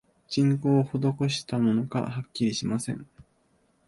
人工をほどこしたものか、はっきりしません